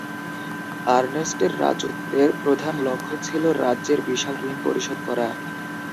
আর্নেস্টের রাজত্বের প্রধান লক্ষ্য ছিল রাজ্যের বিশাল ঋণ পরিশোধ করা।